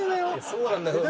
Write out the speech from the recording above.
そうなんだけど。